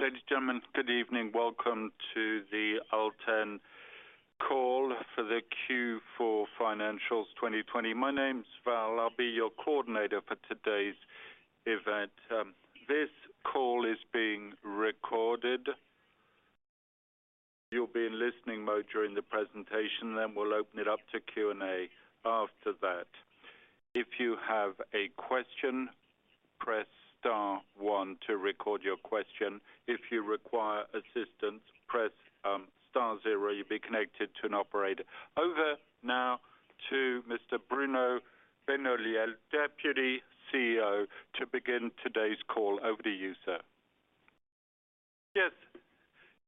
Ladies and gentlemen, good evening. Welcome to the ALTEN call for the Q4 financials 2020. My name's Val. I'll be your coordinator for today's event. This call is being recorded. You'll be in listening mode during the presentation. We'll open it up to Q&A after that. If you have a question, press star one to record your question. If you require assistance, press star zero, you'll be connected to an operator. Over now to Mr. Bruno Benoliel, Deputy CEO, to begin today's call. Over to you, sir. Yes.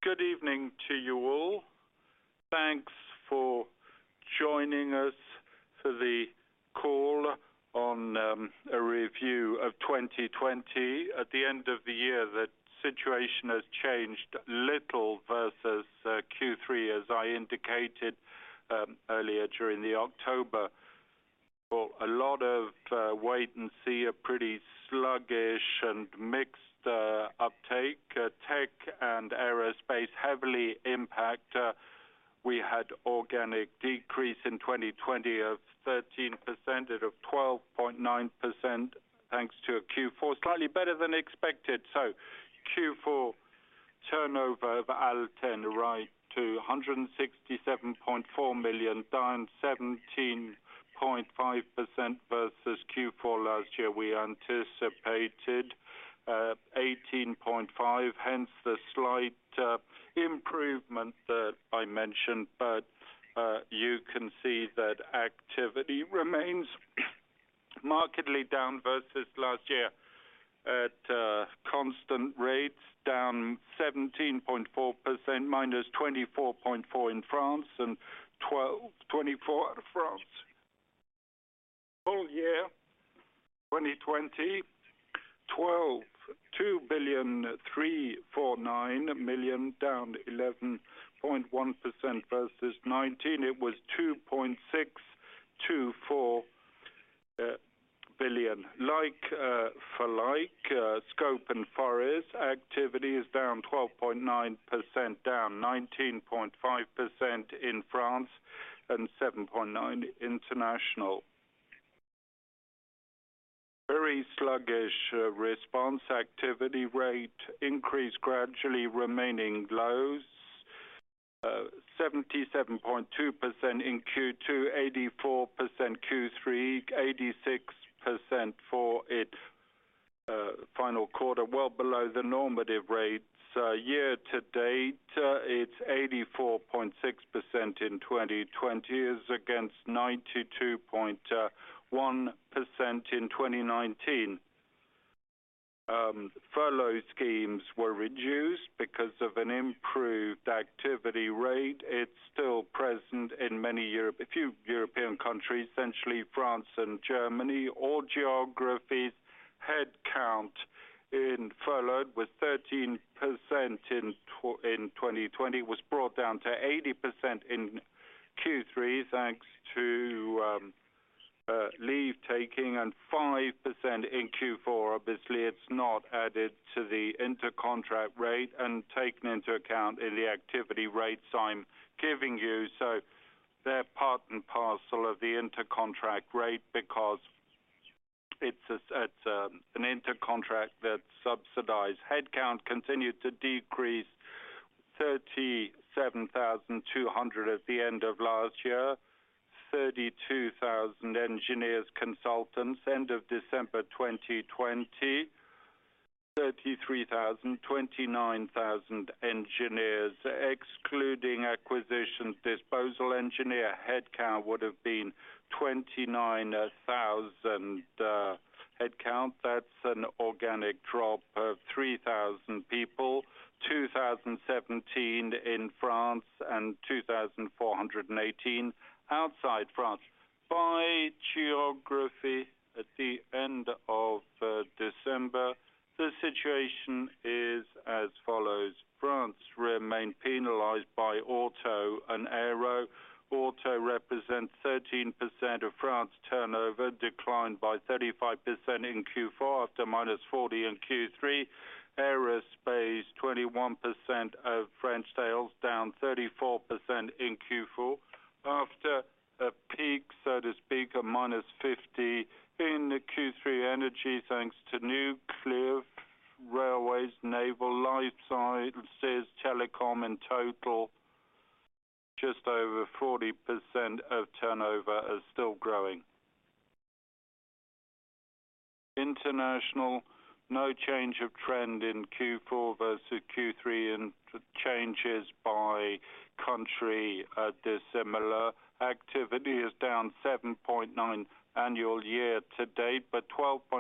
Good evening to you all. Thanks for joining us for the call on a review of 2020. At the end of the year, the situation has changed little versus Q3, as I indicated earlier during the October call. A lot of wait and see, a pretty sluggish and mixed uptake. Tech and aerospace heavily impact. We had organic decrease in 2020 of 13%, of 12.9% thanks to a Q4 slightly better than expected. Q4 turnover of ALTEN rise to 167.4 million, down 17.5% versus Q4 last year. We anticipated 18.5%, hence the slight improvement that I mentioned. You can see that activity remains markedly down versus last year at constant rates, down 17.4%, -24.4% in France and 24% out of France. Full year 2020, 2,340.9 million, down 11.1% versus 2019. It was 2.624 billion. Like for like, scope and constant perimeter activity is down 12.9%, down 19.5% in France and 7.9% international. Very sluggish response activity rate increase gradually remaining lows, 77.2% in Q2, 84% Q3, 86% for its final quarter, well below the normative rates. Year-to-date, it's 84.6% in 2020. It's against 92.1% in 2019. Furlough schemes were reduced because of an improved activity rate. It's still present in a few European countries, essentially France and Germany. All geographies headcount in furloughed was 13% in 2020, was brought down to 80% in Q3 thanks to leave taking, and 5% in Q4. Obviously, it's not added to the inter-contract rate and taken into account in the activity rates I'm giving you. They're part and parcel of the inter-contract rate because it's an inter-contract that's subsidized. Headcount continued to decrease, 37,200 at the end of last year. 32,000 engineers, consultants, end of December 2020. 33,000, 29,000 engineers. Excluding acquisitions, disposal engineer headcount would've been 29,000 headcount. That's an organic drop of 3,000 people, 2,017 in France and 2,418 outside France. By geography at the end of December, the situation is as follows. France remained penalized by auto and aero. Auto represents 13% of France turnover, declined by 35% in Q4 after -40% in Q3. Aerospace, 21% of French sales, down 34% in Q4 after a peak, so to speak, of -50% in the Q3. Energy, thanks to nuclear, railways, naval, life sciences, telecom in total, just over 40% of turnover is still growing. International, no change of trend in Q4 versus Q3. Changes by country are dissimilar. Activity is down 7.9% annual year-to-date, 12.4%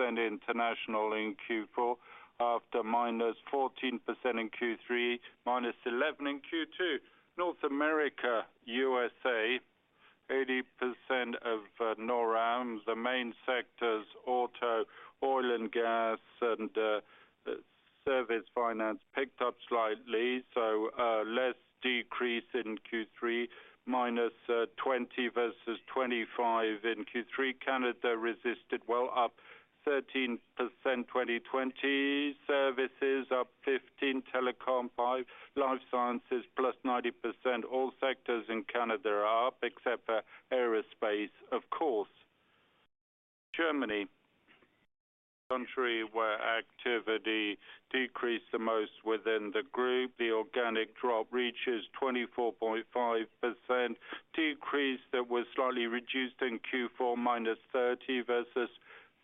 international in Q4 after -14% in Q3, -11% in Q2. North America, U.S., 80% of NorAm's. The main sectors, auto, oil and gas, and service finance picked up slightly. Less decrease in Q3, -20% versus 25% in Q3. Canada resisted well, up 13%, 2020 services up 15%, telecom 5%, life sciences +90%. All sectors in Canada are up except for aerospace, of course. Germany, country where activity decreased the most within the group. The organic drop reaches 24.5%, decrease that was slightly reduced in Q4 -30% versus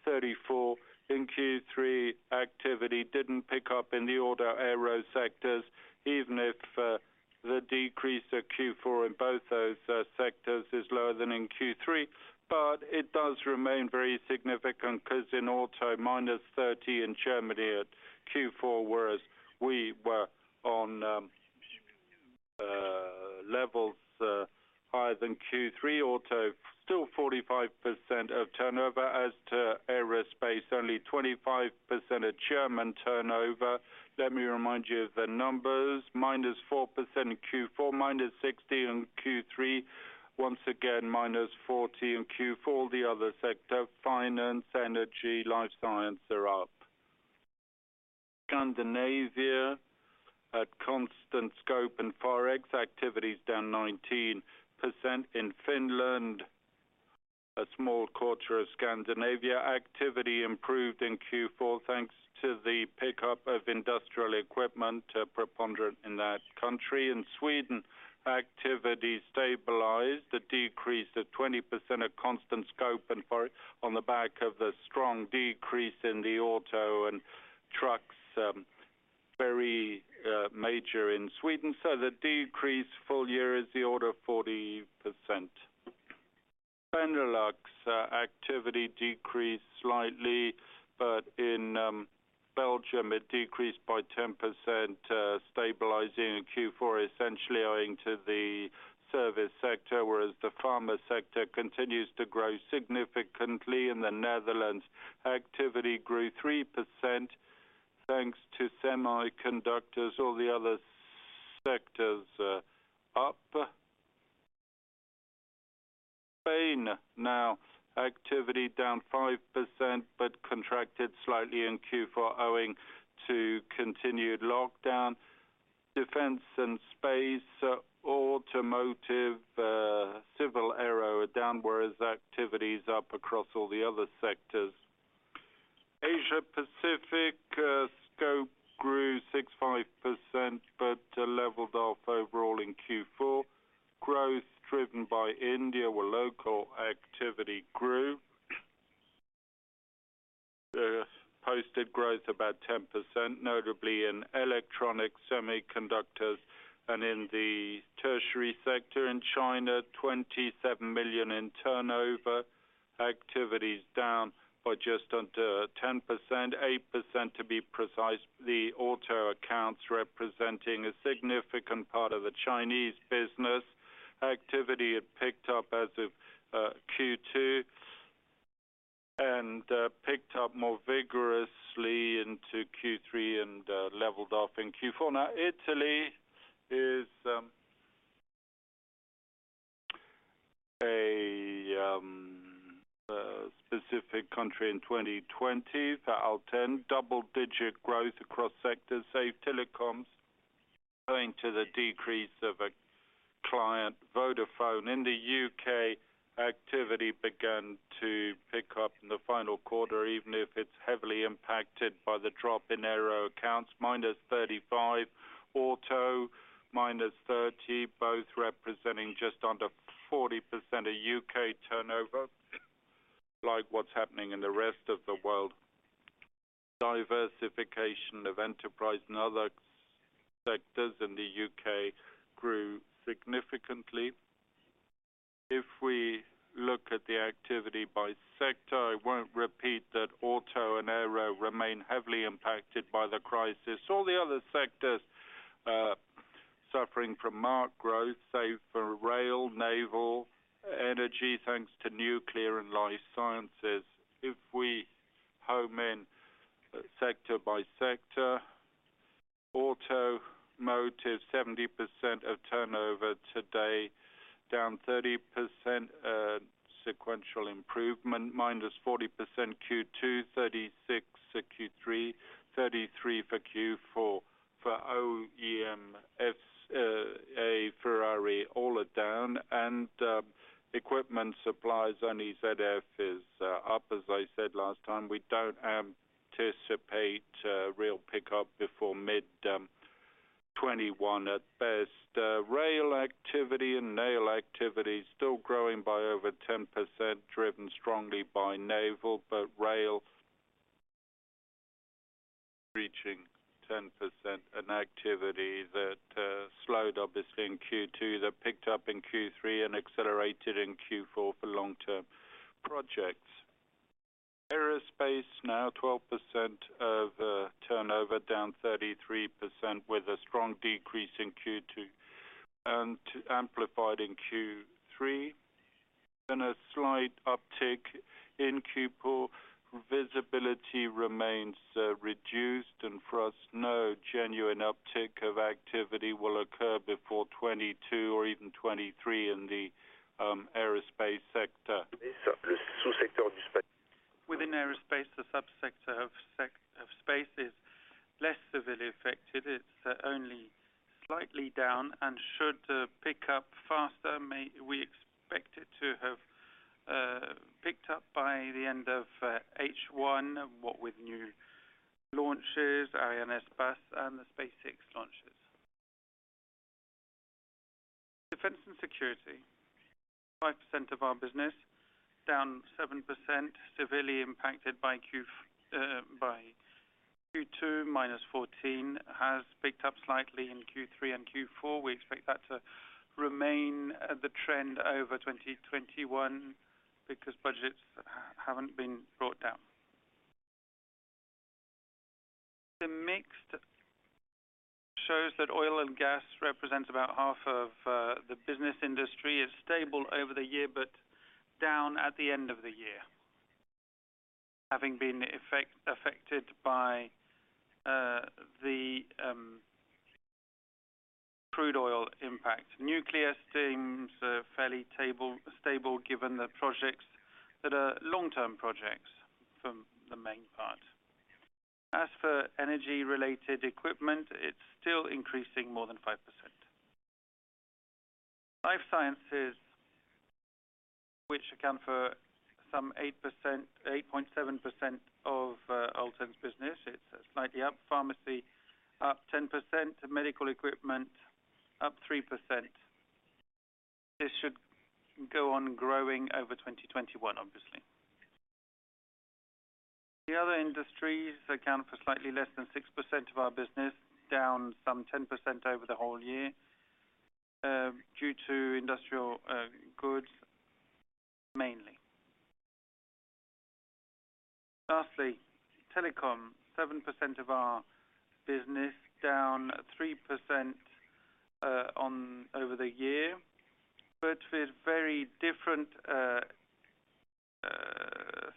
34% in Q3. Activity didn't pick up in the auto aero sectors, even if the decrease of Q4 in both those sectors is lower than in Q3. It does remain very significant because in auto, -30% in Germany at Q4, whereas we were on levels higher than Q3. Auto, still 45% of turnover. As to aerospace, only 25% of German turnover. Let me remind you of the numbers, -4% in Q4, -60% in Q3. Once again, -40% in Q4. The other sector, finance, energy, life science are up. Scandinavia, at constant scope and Forex, activity is down 19%. In Finland, a small quarter of Scandinavia activity improved in Q4 thanks to the pickup of industrial equipment preponderant in that country. In Sweden, activity stabilized. A decrease of 20% of constant scope on the back of the strong decrease in the auto and trucks, very major in Sweden. The decrease full year is the order of 40%. Benelux activity decreased slightly, but in Belgium it decreased by 10%, stabilizing in Q4, essentially owing to the service sector, whereas the pharma sector continues to grow significantly. In the Netherlands, activity grew 3% thanks to semiconductors. All the other sectors are up. Spain now, activity down 5% but contracted slightly in Q4 owing to continued lockdown. Defense and space, automotive, civil aero are down whereas activity is up across all the other sectors. Asia Pacific scope grew 65% but leveled off overall in Q4. Growth driven by India, where local activity grew. Posted growth about 10%, notably in electronics, semiconductors, and in the tertiary sector in China, 27 million in turnover. Activity is down by just under 10%, 8% to be precise. The auto accounts representing a significant part of the Chinese business. Activity had picked up as of Q2 and picked up more vigorously into Q3 and leveled off in Q4. Now Italy is a specific country in 2020 for ALTEN. Double-digit growth across sectors, save telecoms owing to the decrease of a client, Vodafone. In the U.K., activity began to pick up in the final quarter, even if it's heavily impacted by the drop in aero accounts, -35% auto, -30%, both representing just under 40% of U.K. turnover. Like what's happening in the rest of the world, diversification of enterprise and other sectors in the U.K. grew significantly. If we look at the activity by sector, I won't repeat that auto and aero remain heavily impacted by the crisis. All the other sectors suffering from marked growth, save for rail, naval, energy, thanks to nuclear and life sciences. If we home in sector by sector, automotive, 70% of turnover today, down 30% sequential improvement, -40% Q2, 36% for Q3, 33% for Q4 for OEMs, PSA, Ferrari, all are down. Equipment suppliers, only ZF is up. As I said last time, we don't anticipate a real pickup before mid-2021 at best. Rail activity and naval activity is still growing by over 10%, driven strongly by naval, rail reaching 10% in activity. That slowed obviously in Q2, that picked up in Q3, and accelerated in Q4 for long-term projects. Aerospace now 12% of turnover, down 33% with a strong decrease in Q2 and amplified in Q3. A slight uptick in Q4. Visibility remains reduced, and for us, no genuine uptick of activity will occur before 2022 or even 2023 in the aerospace sector. In aerospace, the subsector of space is less severely affected. It's only slightly down and should pick up faster. We expect it to have picked up by the end of H1, what with new launches, INS bus, and the SpaceX launches. Defense and security, 5% of our business, down 7%, severely impacted by Q2, -14%, has picked up slightly in Q3 and Q4. We expect that to remain the trend over 2021 because budgets haven't been brought down. The mix shows that oil and gas represents about half of the business industry. It's stable over the year, down at the end of the year, having been affected by the crude oil impact. Nuclear seems fairly stable given the projects that are long-term projects, for the main part. As for energy-related equipment, it's still increasing more than 5%. Life sciences, which account for some 8.7% of ALTEN's business, it's slightly up. Pharmacy up 10%, medical equipment up 3%. This should go on growing over 2021, obviously. The other industries account for slightly less than 6% of our business, down some 10% over the whole year due to industrial goods mainly. Lastly, telecom, 7% of our business, down 3% over the year, but with very different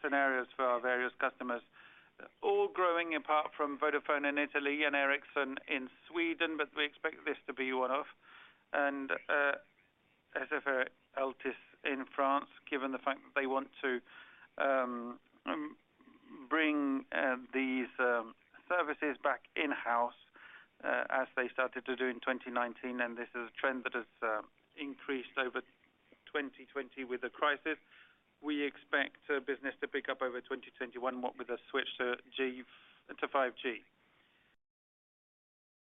scenarios for our various customers. All growing apart from Vodafone in Italy and Ericsson in Sweden. We expect this to be one-off. As for Altice in France, given the fact that they want to bring these services back in-house as they started to do in 2019, and this is a trend that has increased over 2020 with the crisis, we expect business to pick up over 2021, what with the switch to 5G.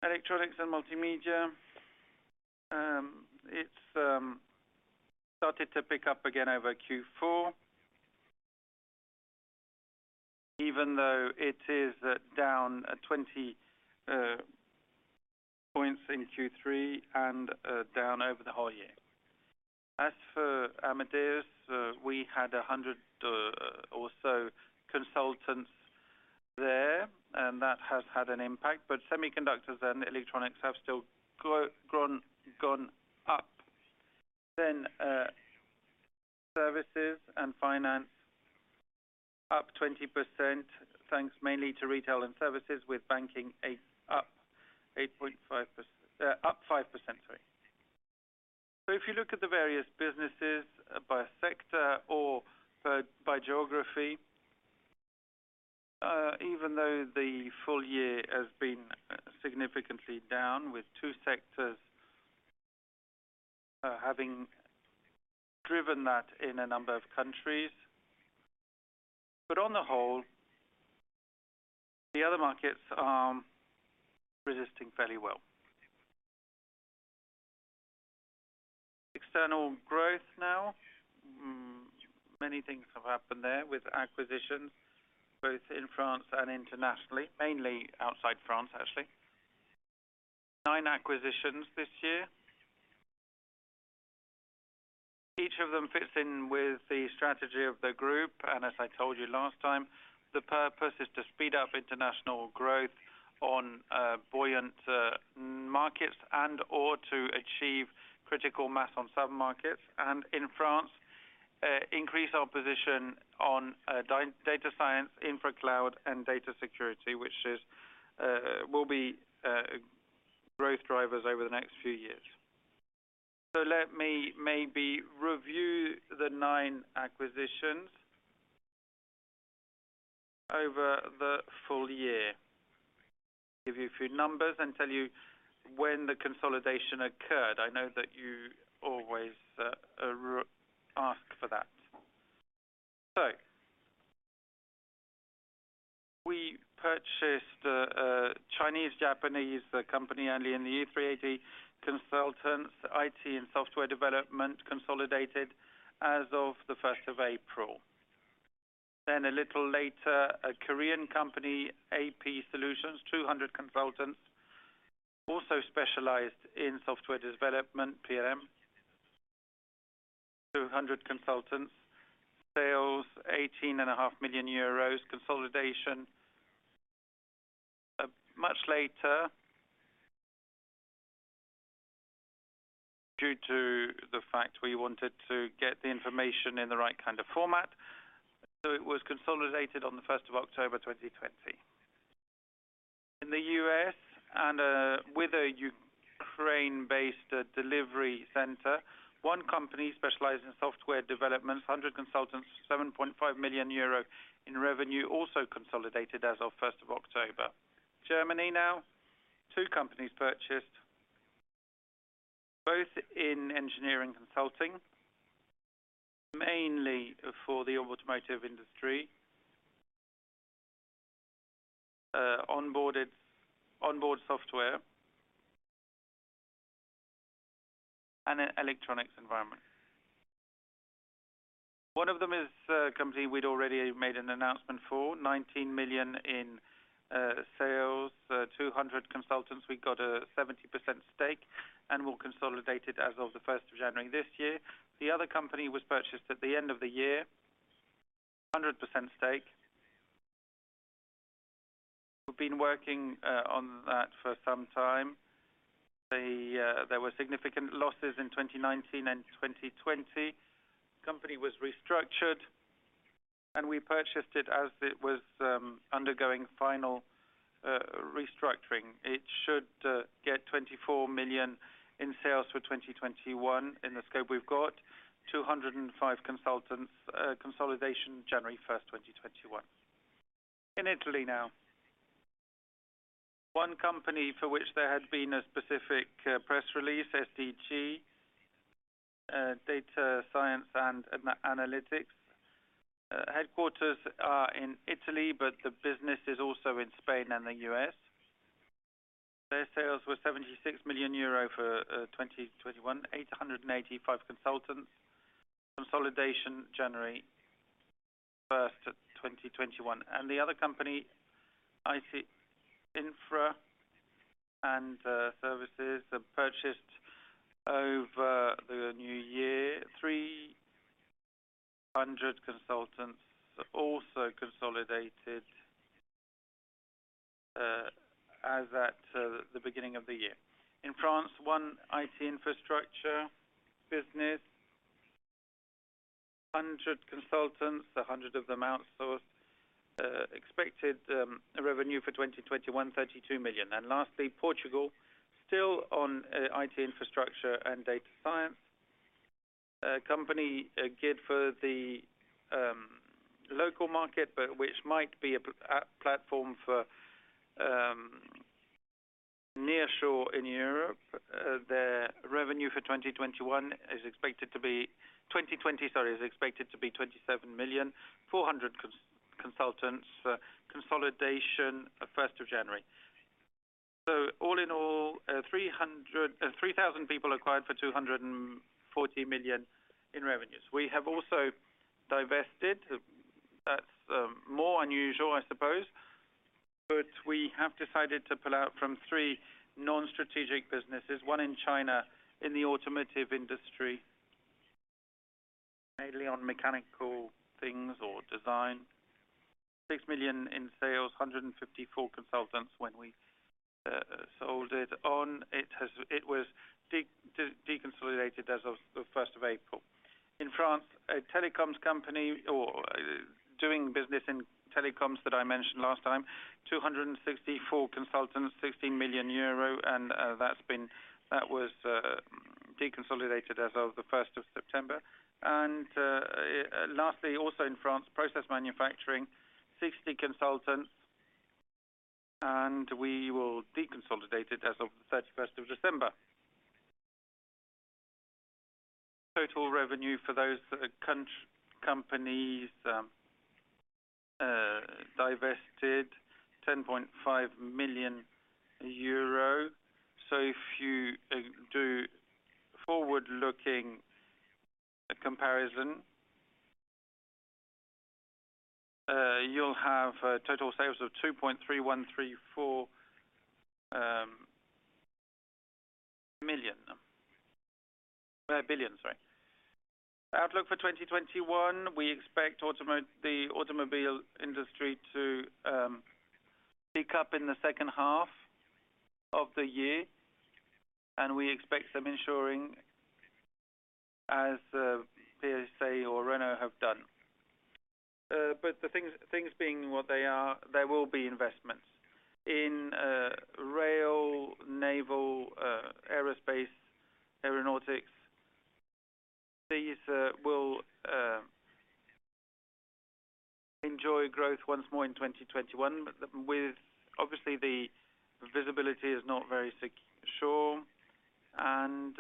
Electronics and multimedia. It's started to pick up again over Q4, even though it is down 20 points in Q3 and down over the whole year. As for Amadeus, we had 100 or so consultants there, and that has had an impact, but semiconductors and electronics have still gone up. Services and finance up 20%, thanks mainly to retail and services, with banking up 5%. If you look at the various businesses by sector or by geography, even though the full year has been significantly down with two sectors having driven that in a number of countries, but on the whole, the other markets are resisting fairly well. External growth now. Many things have happened there with acquisitions both in France and internationally, mainly outside France, actually. Nine acquisitions this year. Each of them fits in with the strategy of the group, and as I told you last time, the purpose is to speed up international growth on buoyant markets and/or to achieve critical mass on sub-markets and in France, increase our position on data science, infra cloud, and data security, which will be growth drivers over the next few years. Let me maybe review the nine acquisitions over the full year, give you a few numbers, and tell you when the consolidation occurred. I know that you always ask for that. We purchased a Chinese-Japanese company early in the year, 380 consultants, IT and software development, consolidated as of the 1st of April. A little later, a Korean company, AP Solutions, 200 consultants, also specialized in software development, PLM. 200 consultants. Sales, EUR 18.5 million. Consolidation much later due to the fact we wanted to get the information in the right kind of format, so it was consolidated on the 1st of October 2020. In the U.S. and with a Ukraine-based delivery center, one company specializes in software development, 100 consultants, 7.5 million euro in revenue, also consolidated as of 1st of October. Germany now, two companies purchased, both in engineering consulting, mainly for the automotive industry. Onboard software in an electronics environment. One of them is a company we'd already made an announcement for, 19 million in sales, 200 consultants. We got a 70% stake and will consolidate it as of the 1st of January this year. The other company was purchased at the end of the year, 100% stake. We've been working on that for some time. There were significant losses in 2019 and 2020. Company was restructured, and we purchased it as it was undergoing final restructuring. It should get 24 million in sales for 2021 in the scope we've got, 205 consultants, consolidation January 1st, 2021. In Italy now. One company for which there had been a specific press release, SDG Group, data science and analytics. Headquarters are in Italy, but the business is also in Spain and the U.S. Their sales were 76 million euro for 2021, 885 consultants. Consolidation January 1st, 2021. The other company, IT Infra and Services, purchased over the new year, 300 consultants, also consolidated as at the beginning of the year. In France, one IT infrastructure business, 100 consultants, 100 of them outsourced, expected revenue for 2021, 32 million. Lastly, Portugal, still on IT infrastructure and data science. A company geared for the local market, but which might be a platform for nearshore in Europe. Their revenue for 2020 is expected to be 27 million, 400 consultants. Consolidation, at 1st of January. All in all, 3,000 people acquired for 240 million in revenues. We have also divested. That's more unusual, I suppose, but we have decided to pull out from three non-strategic businesses, one in China, in the automotive industry, mainly on mechanical things or design. 6 million in sales, 154 consultants when we sold it on. It was deconsolidated as of April 1st. In France, a telecoms company, or doing business in telecoms that I mentioned last time, 264 consultants, 16 million euro, and that was deconsolidated as of 1st of September. Lastly, also in France, process manufacturing, 60 consultants, and we will deconsolidate it as of 31st of December. Total revenue for those companies divested, 10.5 million euro. If you do forward-looking comparison, you'll have total sales of 2.3134 billion. Outlook for 2021, we expect the automobile industry to pick up in the second half of the year, and we expect some insourcing as PSA or Renault have done. The things being what they are, there will be investments in rail, naval, aerospace, aeronautics. These will enjoy growth once more in 2021, with obviously the visibility is not very sure, and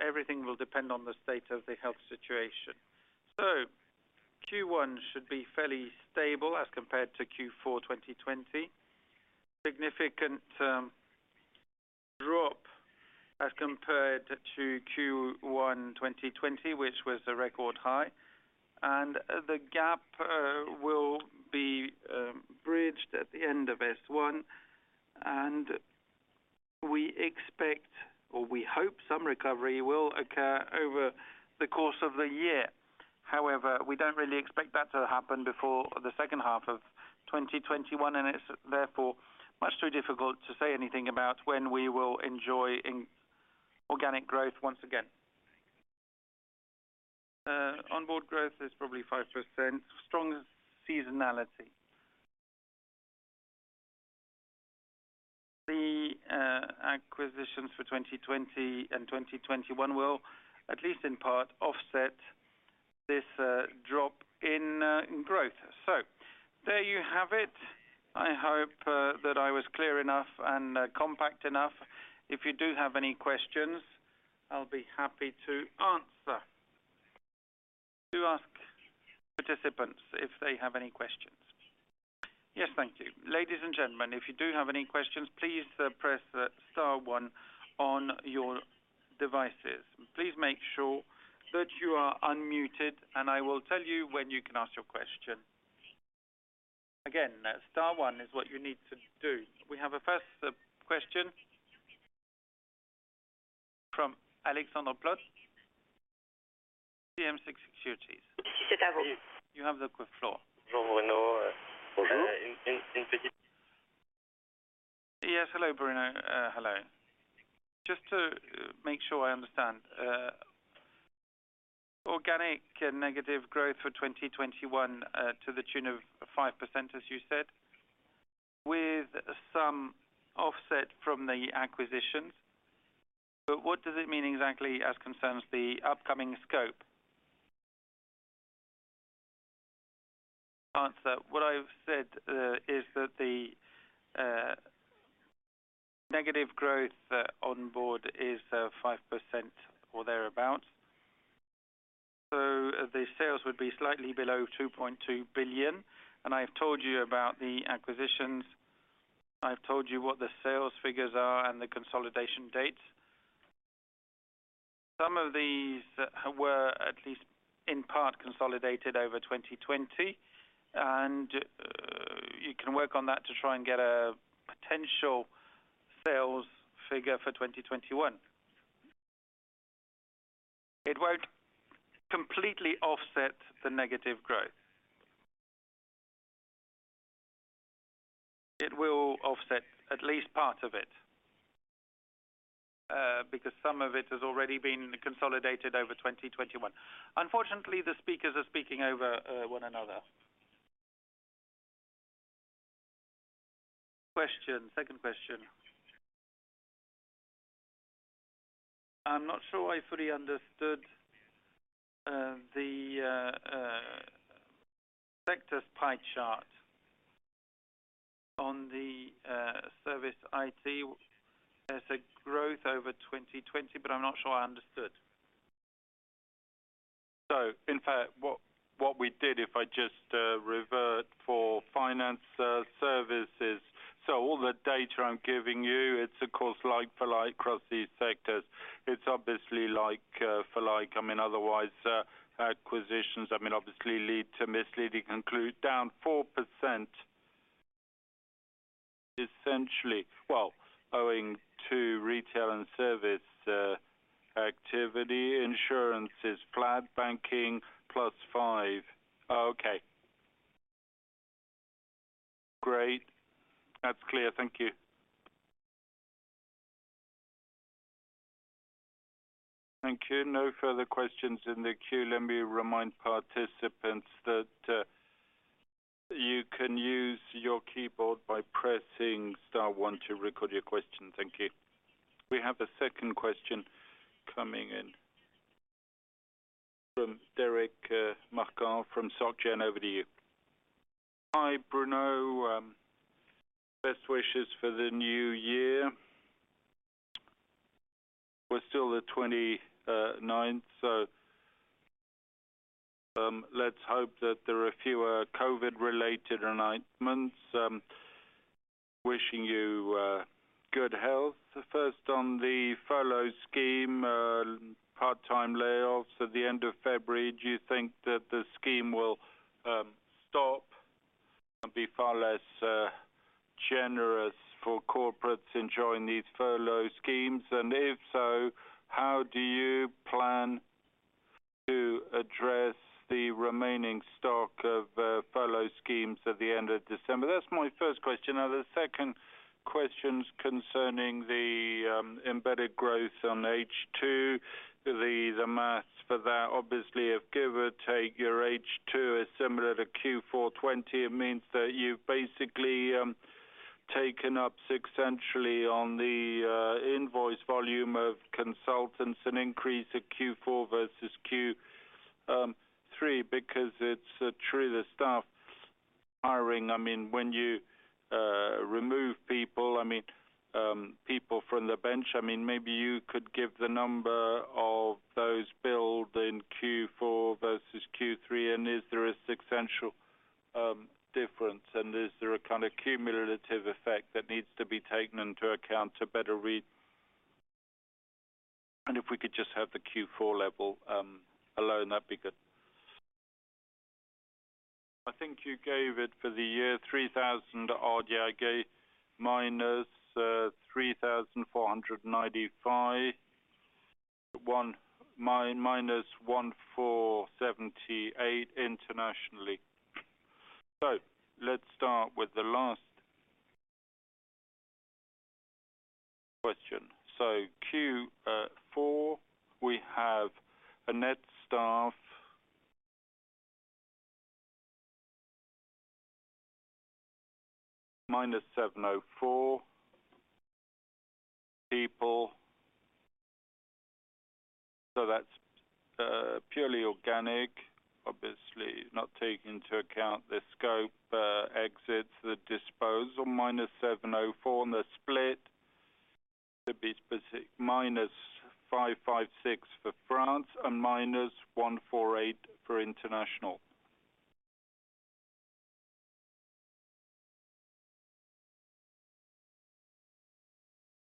everything will depend on the state of the health situation. Q1 should be fairly stable as compared to Q4 2020. Significant drop as compared to Q1 2020, which was a record high, and the gap will be bridged at the end of S1, and we expect or we hope some recovery will occur over the course of the year. However, we don't really expect that to happen before the second half of 2021, and it's therefore much too difficult to say anything about when we will enjoy organic growth once again. Onboard growth is probably 5%, strong seasonality. The acquisitions for 2020 and 2021 will at least in part offset this drop in growth. There you have it. I hope that I was clear enough and compact enough. If you do have any questions, I'll be to answer. Participants, if they have any questions. Yes, thank you. Ladies and gentlemen, if you do have any questions, please press star one on your devices. Please make sure that you are unmuted and I will tell you when you can ask your question. Again, star one is what you need to do. We have a first question from Alexandre Plaud, CM-CIC Securities. You have the floor. Yes. Hello, Bruno. Hello. Just to make sure I understand. Organic negative growth for 2021 to the tune of 5%, as you said, with some offset from the acquisitions. What does it mean exactly as concerns the upcoming scope? Answer. What I've said is that the negative growth onboard is 5% or thereabout. The sales would be slightly below 2.2 billion. I've told you about the acquisitions, I've told you what the sales figures are and the consolidation dates. Some of these were at least in part, consolidated over 2020, and you can work on that to try and get a potential sales figure for 2021. It won't completely offset the negative growth. It will offset at least part of it, because some of it has already been consolidated over 2021. Unfortunately, the speakers are speaking over one another. Question, second question. I'm not sure I fully understood the sectors pie chart on the service IT. There's a growth over 2020, I'm not sure I understood. In fact, what we did if I just revert for finance services, all the data I'm giving you, it's of course like for like across these sectors. It's obviously like for like, otherwise acquisitions, obviously lead to misleading conclude down 4%. Essentially, well, owing to retail and service activity, insurance is flat, banking plus five. Okay. Great. That's clear. Thank you. Thank you. No further questions in the queue. Let me remind participants that you can use your keyboard by pressing star one to record your question. Thank you. We have a second question coming in from Derek Makan from Soc Gen. Over to you. Hi, Bruno. Best wishes for the new year. We're still the 29th, so let's hope that there are fewer COVID-related announcements. Wishing you good health. First on the furlough scheme, part-time layoffs at the end of February, do you think that the scheme will stop and be far less generous for corporates enjoying these furlough schemes? If so, how do you plan to address the remaining stock of furlough schemes at the end of December? That's my first question. The second question's concerning the embedded growth on H2, the math for that obviously if give or take your H2 is similar to Q4 2020, it means that you've basically taken up sequentially on the invoice volume of consultants, an increase at Q4 versus Q3 because it's true the staff hiring. When you remove people from the bench, maybe you could give the number of those billed in Q4 versus Q3, and is there a sequential difference, and is there a kind of cumulative effect that needs to be taken into account to better read? If we could just have the Q4 level alone, that'd be good. I think you gave it for the year 3,000 odd. Yeah, I gave -3,495. -1,478 internationally. Let's start with the last question. Q4, we have a net staff -704 people. That's purely organic, obviously not taking into account the scope exits, the disposal, -704. On the split, to be specific, -556 for France and -148 for international.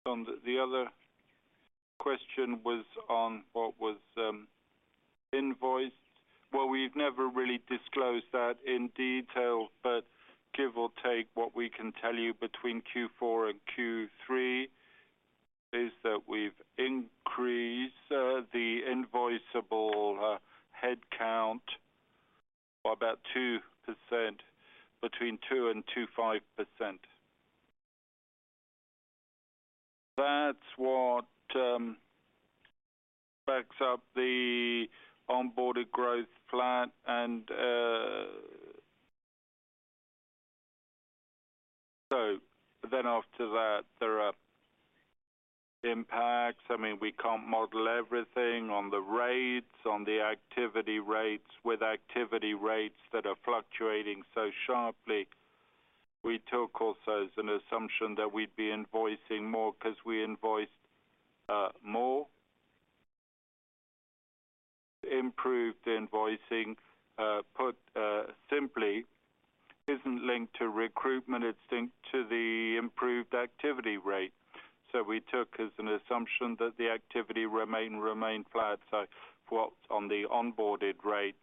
The other question was on what was invoiced. Well, we've never really disclosed that in detail, but give or take, what we can tell you between Q4 and Q3 is that we've increased the invoiceable headcount by about 2%, between 2% and 2.5%. That's what backs up the onboarded growth plan. After that, there are impacts. We can't model everything on the rates, on the activity rates. With activity rates that are fluctuating so sharply, we took also as an assumption that we'd be invoicing more because we invoiced more. Improved invoicing, put simply, isn't linked to recruitment, it's linked to the improved activity rate. We took as an assumption that the activity remained flat. For what's on the onboarded rate,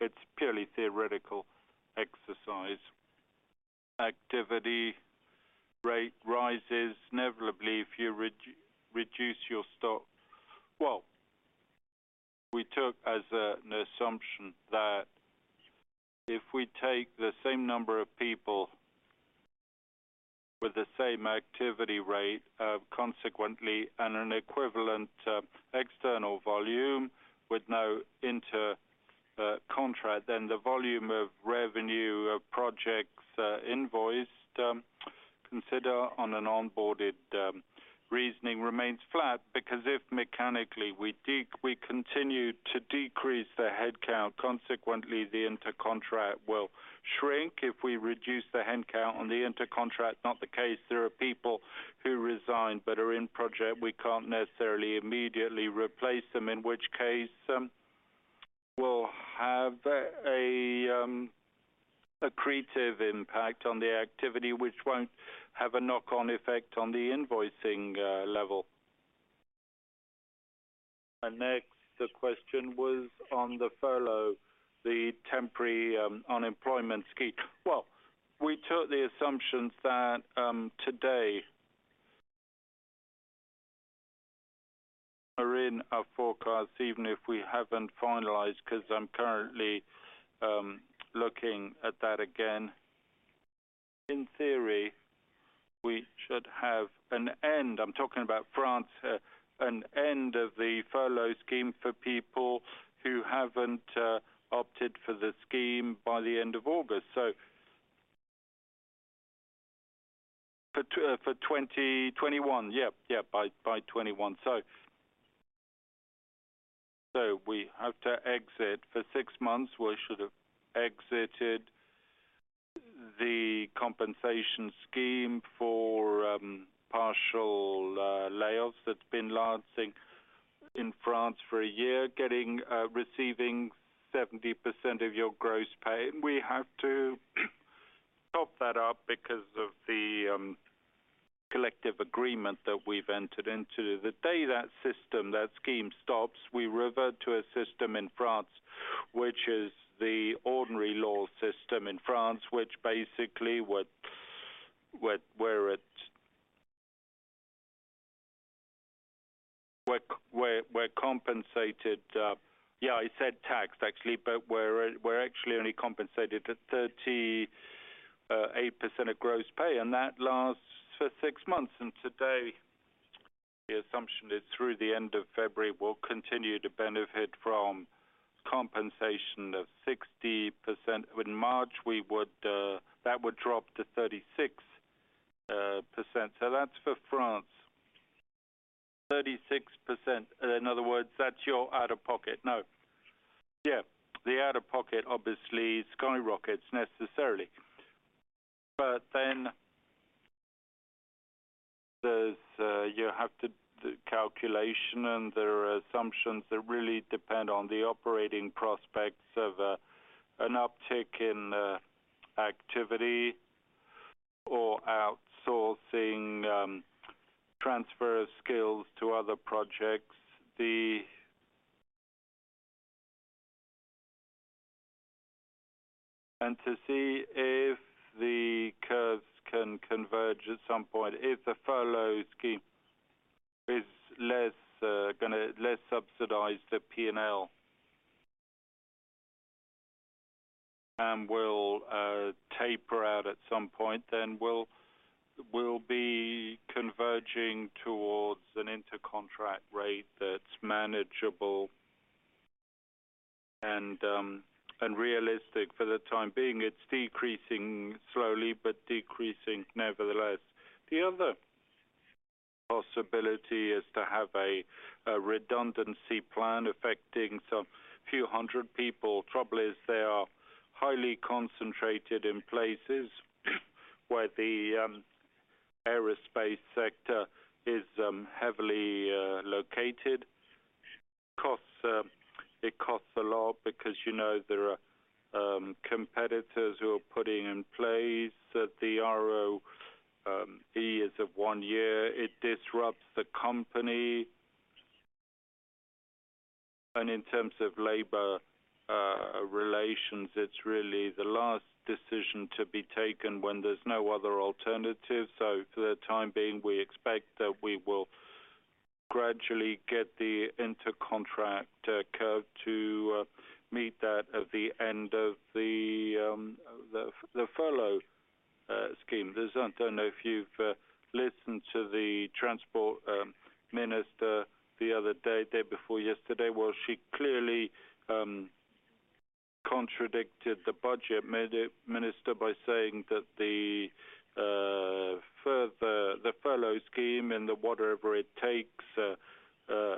it's purely theoretical exercise. Activity rate rises. Inevitably, if you reduce your stock. We took as an assumption that if we take the same number of people with the same activity rate, consequently, and an equivalent external volume with no inter-contract, then the volume of revenue of projects invoiced, consider on an onboarded reasoning, remains flat. If mechanically we continue to decrease the headcount, consequently, the inter-contract will shrink. If we reduce the headcount on the inter-contract, not the case. There are people who resign but are in project, we can't necessarily immediately replace them, in which case we'll have an accretive impact on the activity, which won't have a knock-on effect on the invoicing level. Next, the question was on the furlough, the temporary unemployment scheme. Well, we took the assumptions that today are in our forecast, even if we haven't finalized, because I'm currently looking at that again. In theory, we should have an end, I'm talking about France, an end of the furlough scheme for people who haven't opted for the scheme by the end of August. For 2021, yeah. By 2021. We have to exit for six months. We should have exited the compensation scheme for partial layoffs that's been lasting in France for a year, receiving 70% of your gross pay. We have to top that up because of the collective agreement that we've entered into. The day that system, that scheme stops, we revert to a system in France, which is the ordinary law system in France, which basically, we're compensated. I said taxed, actually, we're actually only compensated at 38% of gross pay, that lasts for six months. Today, the assumption is through the end of February, we'll continue to benefit from compensation of 60%. In March, that would drop to 36%. That's for France. 36%, in other words, that's your out-of-pocket. No. Yeah. The out-of-pocket obviously skyrockets necessarily. You have the calculation and there are assumptions that really depend on the operating prospects of an uptick in activity or outsourcing transfer skills to other projects. To see if the curves can converge at some point. If the furlough scheme is going to less subsidize the P&L and will taper out at some point, we'll be converging towards an inter-contract rate that's manageable and realistic for the time being. It's decreasing slowly, decreasing nevertheless. The other possibility is to have a redundancy plan affecting some few hundred people. Trouble is they are highly concentrated in places where the aerospace sector is heavily located. It costs a lot because there are competitors who are putting in place that the ROI is of one year. It disrupts the company. In terms of labor relations, it's really the last decision to be taken when there's no other alternative. For the time being, we expect that we will gradually get the inter-contract curve to meet that at the end of the furlough scheme. I don't know if you've listened to the transport minister the other day before yesterday, where she clearly contradicted the budget minister by saying that the furlough scheme and the whatever it takes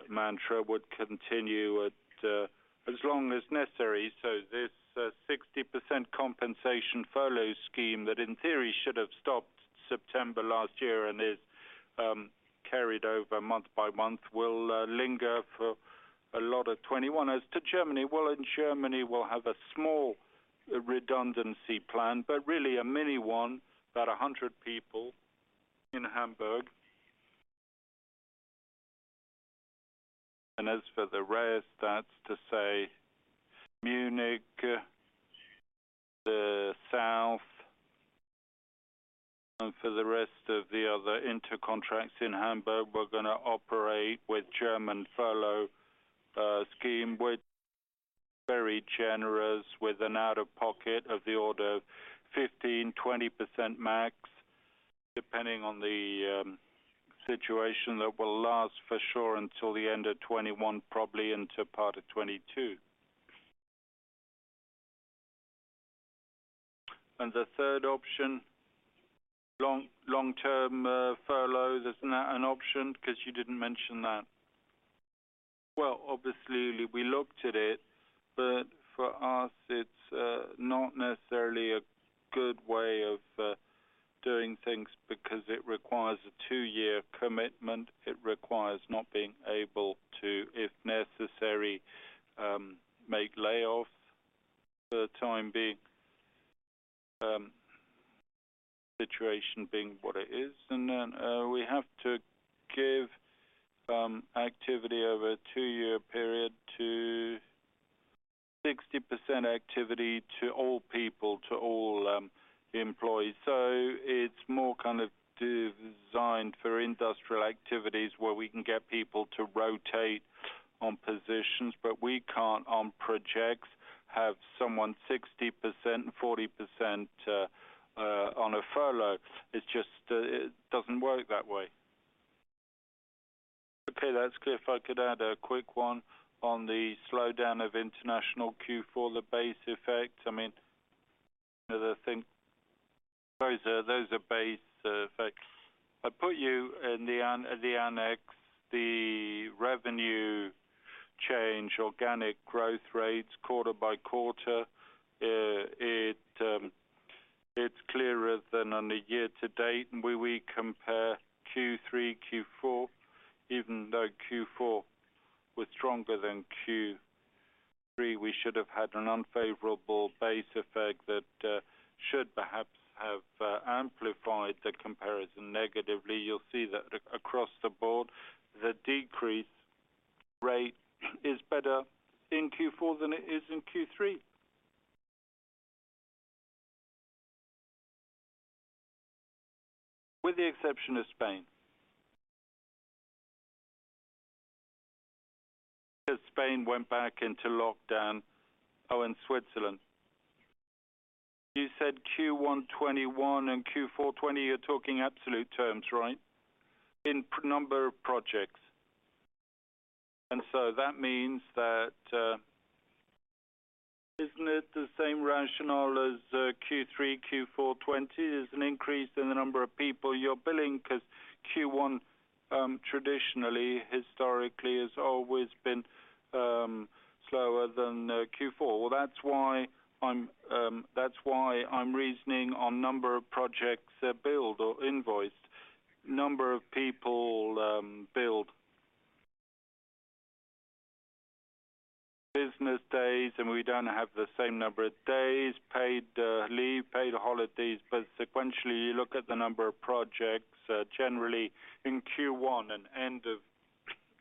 mantra would continue as long as necessary. This 60% compensation furlough scheme that in theory should have stopped September 2020 and is carried over month by month will linger for a lot of 2021. As to Germany, well, in Germany, we'll have a small redundancy plan, but really a mini one, about 100 people in Hamburg. As for the rest, that's to say Munich, the South, and for the rest of the other inter-contracts in Hamburg, we're going to operate with German furlough scheme, which very generous with an out-of-pocket of the order of 15%-20% max, depending on the situation that will last for sure until the end of 2021, probably into part of 2022. The third option, long-term furloughs, isn't that an option? Because you didn't mention that. Well, obviously, we looked at it, for us, it's not necessarily a good way of doing things because it requires a two-year commitment. It requires not being able to, if necessary, make layoffs for the time being. Situation being what it is. We have to give activity over a two-year period to 60% activity to all people, to all employees. It's more kind of designed for industrial activities where we can get people to rotate on positions, but we can't, on projects, have someone 60%, 40% on a furlough. It doesn't work that way. Okay, that's clear. If I could add a quick one on the slowdown of international Q4, the base effect. Those are base effects. I put you in the annex, the revenue change, organic growth rates quarter by quarter. It's clearer than on a year-to-date. Where we compare Q3, Q4, even though Q4 was stronger than Q3, we should have had an unfavorable base effect that should perhaps have amplified the comparison negatively. You'll see that across the board, the decrease rate is better in Q4 than it is in Q3. With the exception of Spain. Because Spain went back into lockdown. Switzerland. You said Q1 2021 and Q4 2020, you're talking absolute terms, right? In number of projects. That means that isn't it the same rationale as Q3, Q4 2020? There's an increase in the number of people you're billing because Q1 traditionally, historically, has always been slower than Q4. That's why I'm reasoning on number of projects that are billed or invoiced. Number of people billed. Business days, we don't have the same number of days, paid leave, paid holidays. Sequentially, you look at the number of projects, generally in Q1 and end of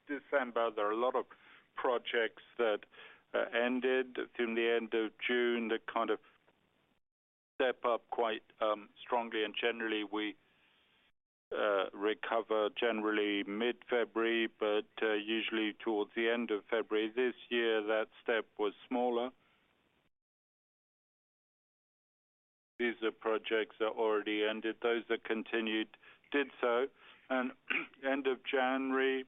December, there are a lot of projects that ended. In the end of June, they kind of step up quite strongly, and generally we recovered generally mid-February, but usually towards the end of February. This year, that step was smaller. These are projects that already ended. Those that continued did so. End of January,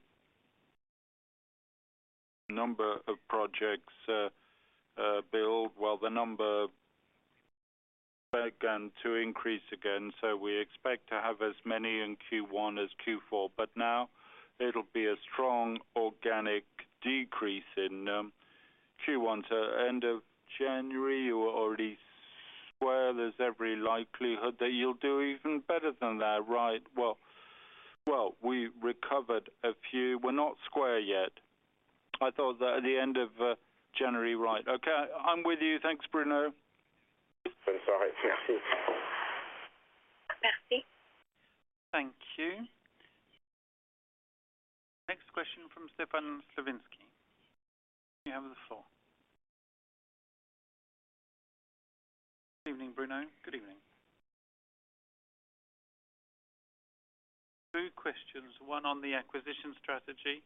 number of projects billed, well, the number began to increase again, we expect to have as many in Q1 as Q4. Now it'll be a strong organic decrease in Q1 to end of January. You are already square. There's every likelihood that you'll do even better than that. Right. Well, we recovered a few. We're not square yet. I thought that at the end of January. Right. Okay. I'm with you. Thanks, Bruno. I'm sorry. Thank you. Next question from Stefan Slowinski. You have the floor. Evening, Bruno. Good evening. Two questions. One on the acquisition strategy.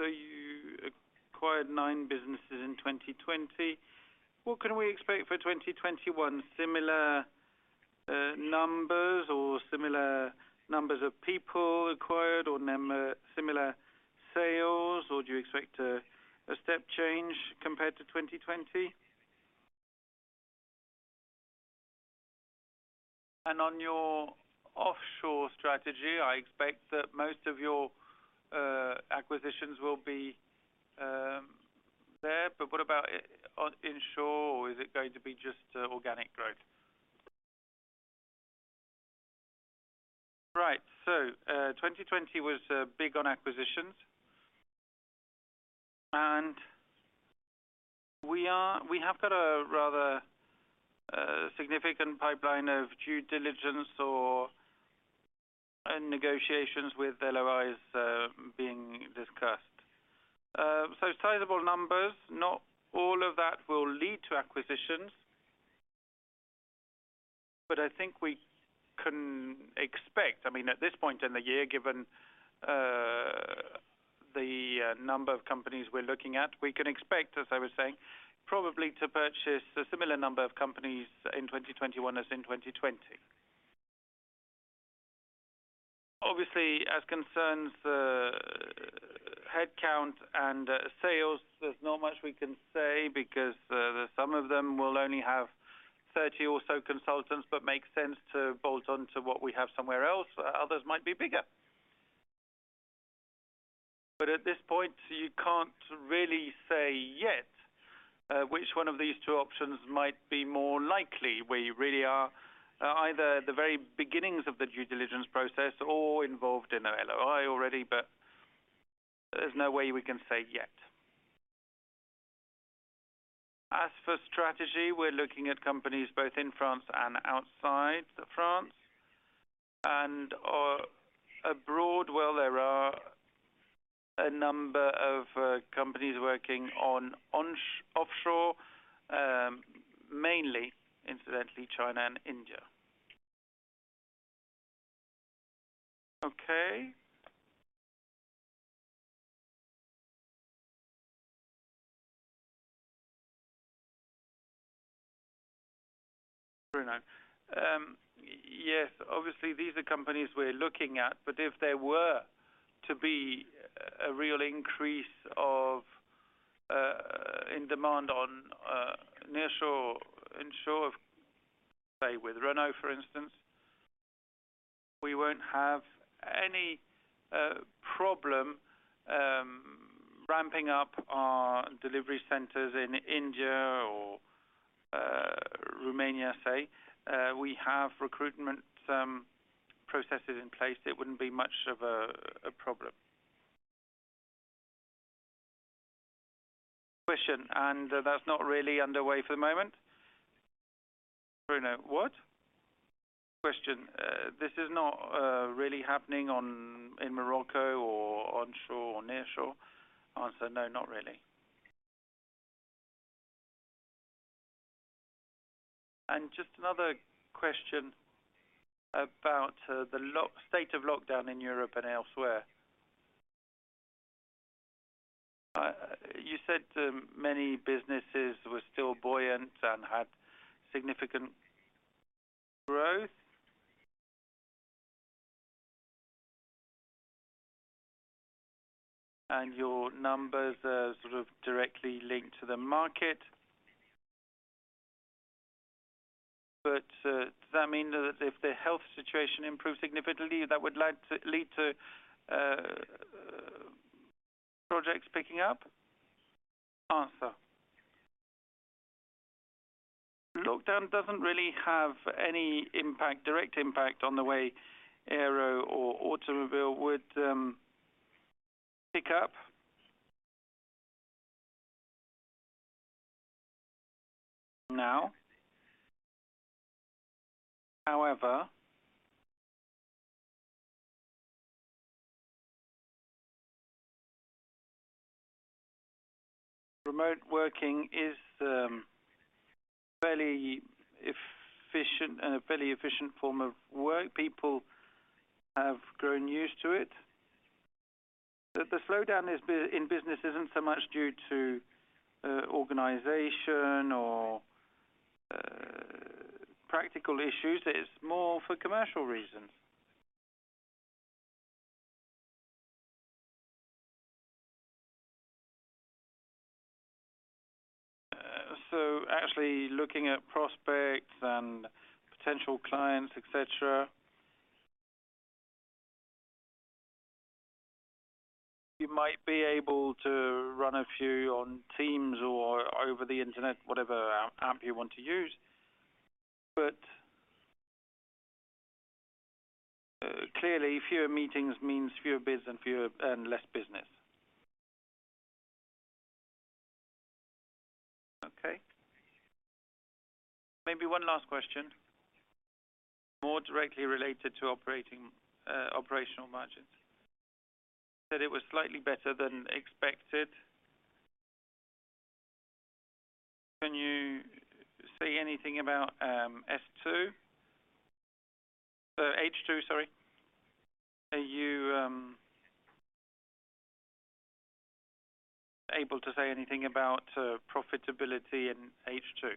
You acquired nine businesses in 2020. What can we expect for 2021? Similar numbers or similar numbers of people acquired or similar sales or do you expect a step change compared to 2020? On your offshore strategy, I expect that most of your acquisitions will be there. What about onshore, or is it going to be just organic growth? Right. 2020 was big on acquisitions, and we have got a rather significant pipeline of due diligence or negotiations with LOIs being discussed. Sizable numbers, not all of that will lead to acquisitions. I think we can expect, at this point in the year, given the number of companies we're looking at, we can expect, as I was saying, probably to purchase a similar number of companies in 2021 as in 2020. Obviously, as concerns headcount and sales, there's not much we can say because some of them will only have 30 or so consultants, but make sense to bolt on to what we have somewhere else. Others might be bigger. At this point, you can't really say yet which one of these two options might be more likely. We really are either at the very beginnings of the due diligence process or involved in an LOI already, there's no way we can say yet. As for strategy, we're looking at companies both in France and outside of France and are abroad. Well, there are a number of companies working on offshore, mainly, incidentally, China and India. Okay. Bruno. Obviously, these are companies we're looking at, but if there were to be a real increase in demand on onshore, say, with Renault, for instance, we won't have any problem ramping up our delivery centers in India or Romania, say. We have recruitment processes in place. It wouldn't be much of a problem. Question, that's not really underway for the moment? Bruno, what? Question. This is not really happening in Morocco or onshore or nearshore? Answer, no, not really. Just another question about the state of lockdown in Europe and elsewhere. You said many businesses were still buoyant and had significant growth, and your numbers are sort of directly linked to the market. Does that mean that if the health situation improves significantly, that would lead to projects picking up? Answer. Lockdown doesn't really have any direct impact on the way aero or automobile would pick up now. Remote working is a fairly efficient form of work. People have grown used to it. The slowdown in business isn't so much due to organization or practical issues, it is more for commercial reasons. Actually looking at prospects and potential clients, et cetera. You might be able to run a few on Teams or over the internet, whatever app you want to use, but clearly, fewer meetings means fewer bids and less business. Okay. Maybe one last question, more directly related to operational margins. You said it was slightly better than expected. Can you say anything about H2? Are you able to say anything about profitability in H2?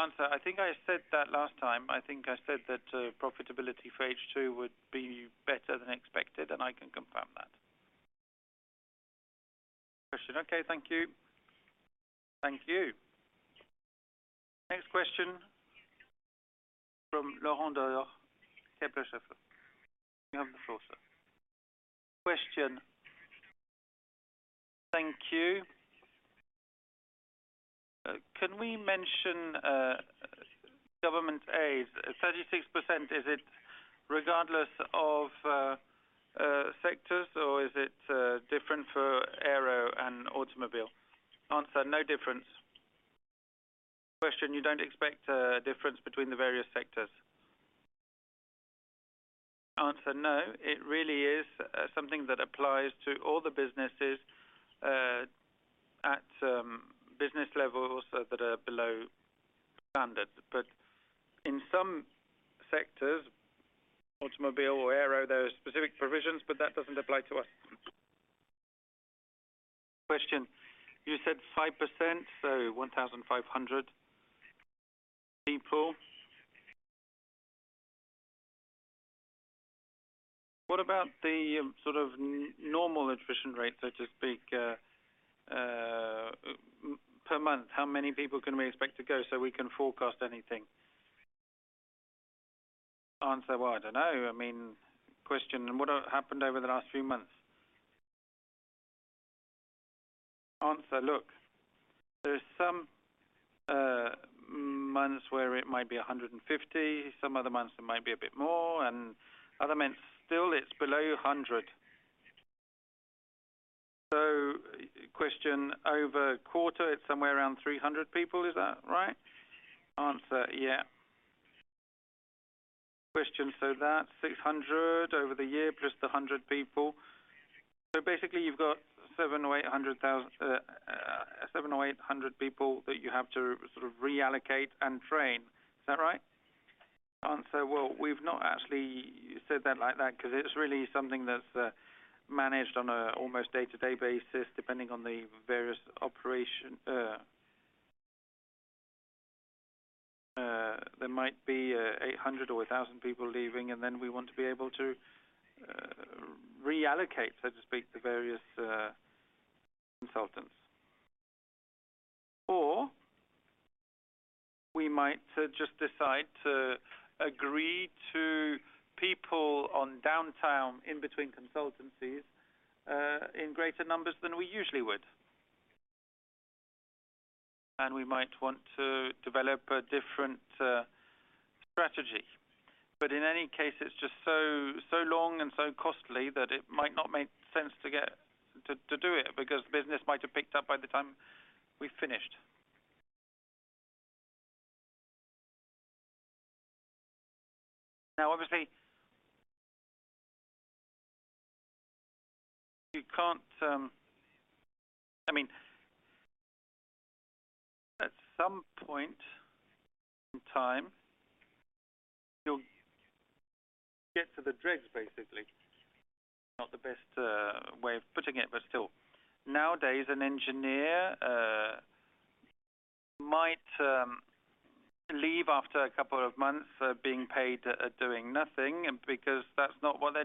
Answer, I think I said that last time. I think I said that profitability for H2 would be better than expected, and I can confirm that. Question. Okay. Thank you. Thank you. Next question from Laurent Daure, Kepler Cheuvreux. You have the floor, sir. Question. Thank you. Can we mention government aid, 36%, is it regardless of sectors, or is it different for aero and automobile? Answer, no difference. Question, you don't expect a difference between the various sectors? Answer, no, it really is something that applies to all the businesses at business levels that are below standard. But in some sectors, automobile or aero, there are specific provisions, but that doesn't apply to us. Question, you said 5%, so 1,500 people. What about the normal attrition rate, so to speak, per month? How many people can we expect to go so we can forecast anything? Answer, well, I don't know. Question, and what happened over the last few months? Answer, look, there are some months where it might be 150, some other months it might be a bit more, and other months still it's below 100. Question, over the quarter, it's somewhere around 300 people, is that right? Answer, yeah. Question, that's 600 over the year, plus the 100 people. Basically you've got 700 or 800 people that you have to reallocate and train. Is that right? Answer, well, we've not actually said that like that because it's really something that's managed on an almost day-to-day basis, depending on the various operations. There might be 800 or 1,000 people leaving, and then we want to be able to reallocate, so to speak, the various consultants. We might just decide to agree to people on downtime in between consultancies in greater numbers than we usually would. We might want to develop a different strategy. In any case, it's just so long and so costly that it might not make sense to do it, because business might have picked up by the time we finished. Obviously, at some point in time, you'll get to the dregs, basically. Not the best way of putting it, still. Nowadays, an engineer might leave after a couple of months being paid doing nothing, because that's not what their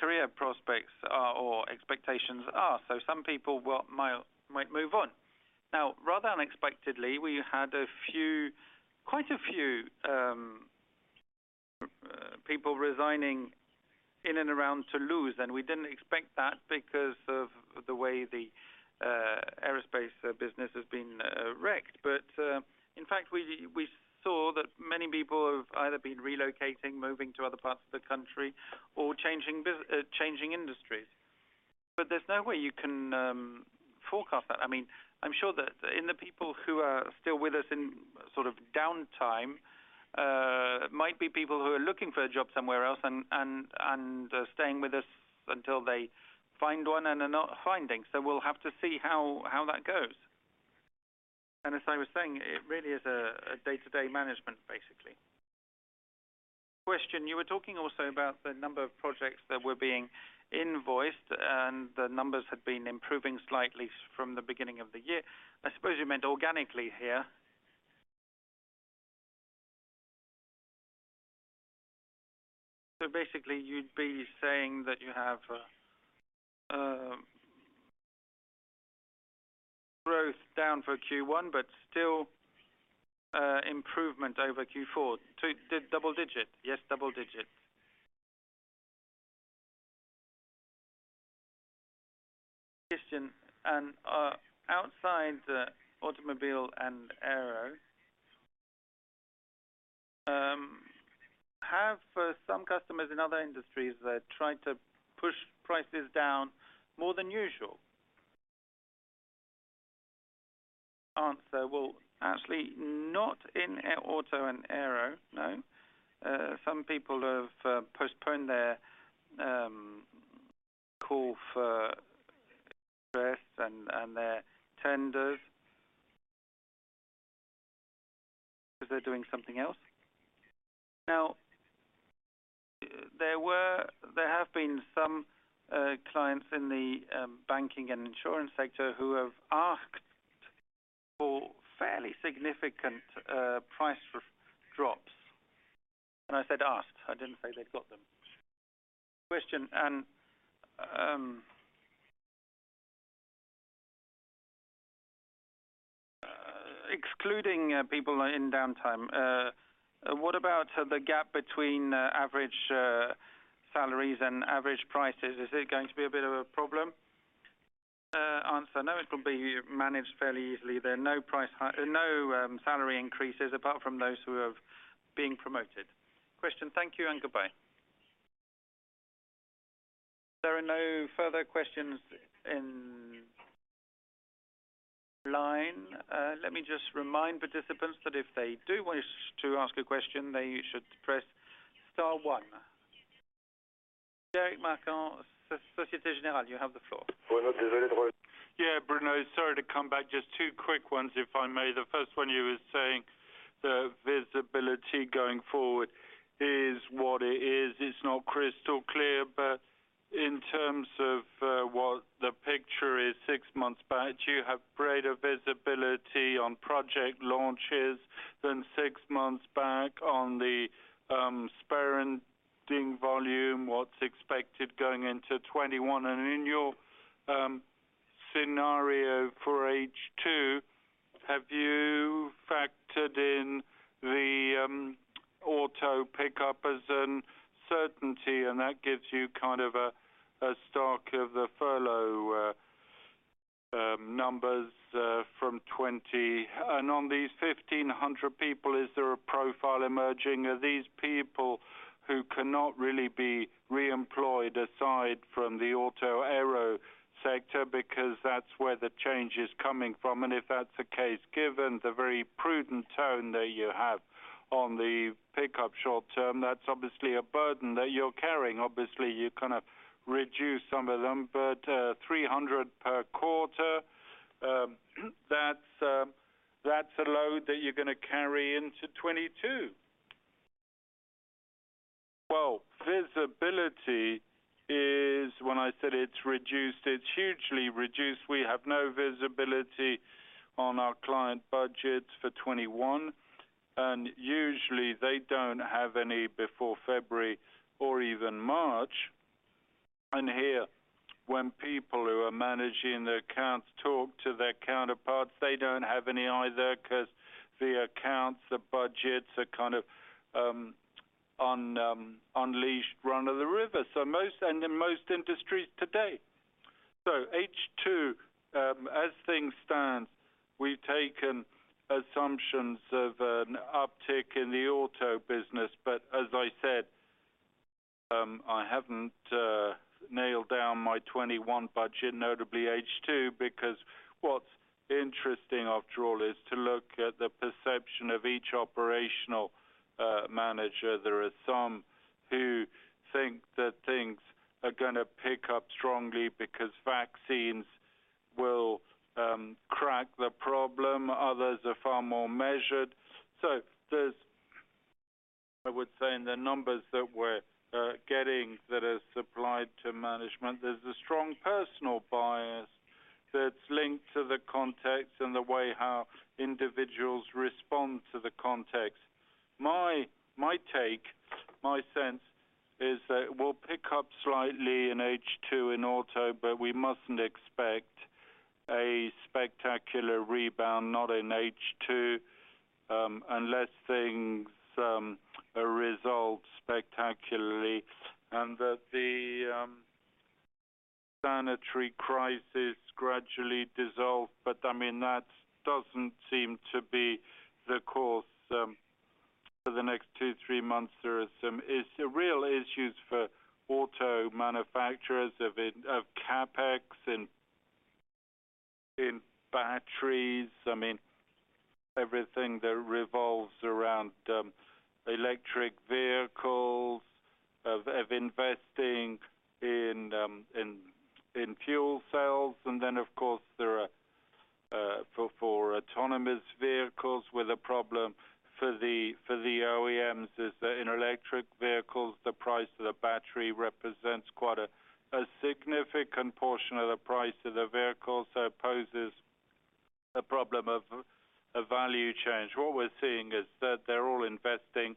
career prospects are or expectations are. Some people might move on. Rather unexpectedly, we had quite a few people resigning in and around Toulouse, and we didn't expect that because of the way the aerospace business has been wrecked. In fact, we saw that many people have either been relocating, moving to other parts of the country or changing industries. There's no way you can forecast that. I'm sure that in the people who are still with us in sort of downtime might be people who are looking for a job somewhere else and staying with us until they find one and are not finding, so we'll have to see how that goes. As I was saying, it really is a day-to-day management, basically. Question. You were talking also about the number of projects that were being invoiced, and the numbers had been improving slightly from the beginning of the year. I suppose you meant organically here. Basically you'd be saying that you have growth down for Q1, but still improvement over Q4 to double digit. Yes, double digit. Question. Outside the automobile and aero, have some customers in other industries that try to push prices down more than usual? Answer. Well, actually not in auto and aero. No. Some people have postponed their call for and their tenders because they're doing something else. There have been some clients in the banking and insurance sector who have asked for fairly significant price drops. I said asked, I didn't say they got them. Question. Excluding people in downtime, what about the gap between average salaries and average prices? Is it going to be a bit of a problem? Answer. No, it will be managed fairly easily. There are no salary increases apart from those who have been promoted. Question. Thank you, and goodbye. There are no further questions in line. Let me just remind participants that if they do wish to ask a question, they should press star one. Derek Makan, Societe Generale, you have the floor. Yeah, Bruno, sorry to come back. Just two quick ones, if I may. The first one you were saying the visibility going forward is what it is. It's not crystal clear, but in terms of what the picture is six months back, do you have greater visibility on project launches than six months back on the spending volume, what's expected going into 2021? In your scenario for H2, have you factored in the auto pickup as a certainty and that gives you kind of a stock of the furlough numbers from 2020? On these 1,500 people, is there a profile emerging? Are these people who cannot really be reemployed aside from the auto aero sector because that's where the change is coming from? If that's the case, given the very prudent tone that you have on the pickup short term, that's obviously a burden that you're carrying. Obviously, you kind of reduce some of them, but 300 per quarter, that's a load that you're going to carry into 2022. Well, visibility is when I said it's reduced, it's hugely reduced. We have no visibility on our client budgets for 2021, and usually they don't have any before February or even March. Here, when people who are managing the accounts talk to their counterparts, they don't have any either because the accounts, the budgets are kind of on leash run of the river. Most, and in most industries today. H2, as things stand, we've taken assumptions of an uptick in the auto business. As I said, I haven't nailed down my 2021 budget, notably H2, because what's interesting after all is to look at the perception of each operational manager. There are some who think that things are going to pick up strongly because vaccines will crack the problem. Others are far more measured. There's, I would say in the numbers that we're getting that are supplied to management, there's a strong personal bias that's linked to the context and the way how individuals respond to the context. My take, my sense is that we'll pick up slightly in H2 in auto, but we mustn't expect a spectacular rebound, not in H2, unless things result spectacularly and that the sanitary crisis gradually dissolve. That doesn't seem to be the course for the next two, three months. There is some real issues for auto manufacturers of CapEx in batteries. Everything that revolves around electric vehicles of investing in fuel cells, of course, for autonomous vehicles, where the problem for the OEMs is that in electric vehicles, the price of the battery represents quite a significant portion of the price of the vehicle, it poses a problem of a value change. What we're seeing is that they're all investing,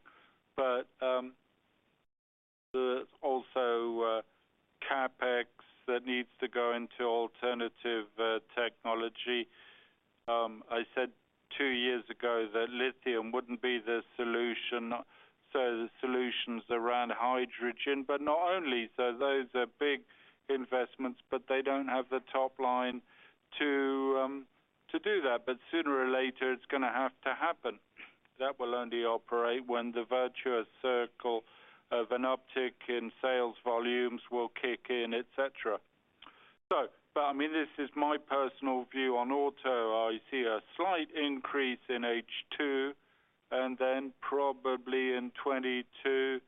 there's also CapEx that needs to go into alternative technology. I said two years ago that lithium wouldn't be the solution, the solutions around hydrogen, not only. Those are big investments, they don't have the top line to do that. Sooner or later, it's going to have to happen. That will only operate when the virtuous circle of an uptick in sales volumes will kick in, et cetera. This is my personal view on auto. I see a slight increase in H2, probably in 2022,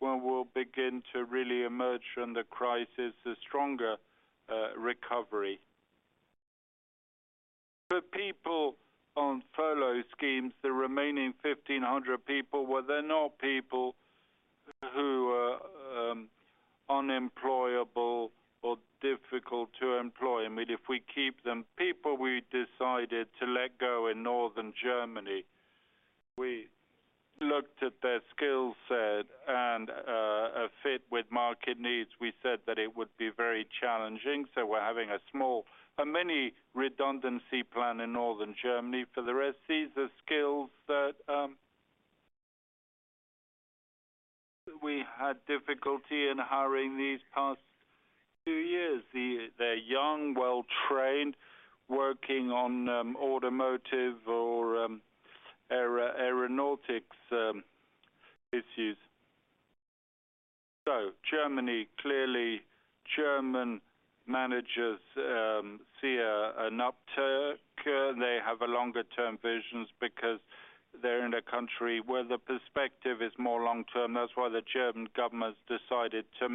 when we'll begin to really emerge from the crisis, a stronger recovery. For people on furlough schemes, the remaining 1,500 people, well, they're not people who are unemployable or difficult to employ. If we keep them, people we decided to let go in Northern Germany, we looked at their skill set and a fit with market needs. We said that it would be very challenging, we're having a mini redundancy plan in Northern Germany. For the rest, these are skills that we had difficulty in hiring these past two years. They're young, well-trained, working on automotive or aeronautics issues. Germany, clearly, German managers see an uptick. They have longer-term visions because they're in a country where the perspective is more long-term. That's why the German government's decided to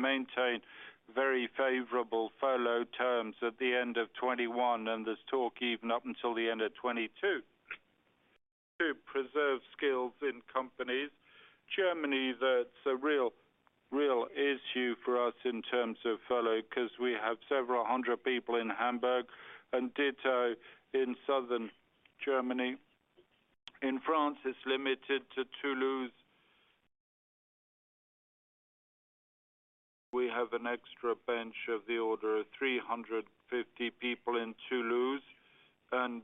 maintain very favorable furlough scheme at the end of 2021, and there's talk even up until the end of 2022 to preserve skills in companies. Germany, that's a real issue for us in terms of furlough, because we have several hundred people in Hamburg and Ditto in Southern Germany. In France, it's limited to Toulouse. We have an extra bench of the order of 350 people in Toulouse, and